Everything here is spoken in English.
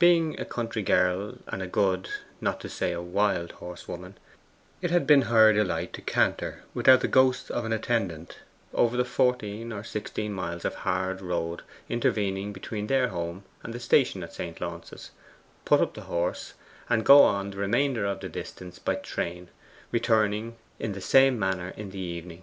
Being a country girl, and a good, not to say a wild, horsewoman, it had been her delight to canter, without the ghost of an attendant, over the fourteen or sixteen miles of hard road intervening between their home and the station at St. Launce's, put up the horse, and go on the remainder of the distance by train, returning in the same manner in the evening.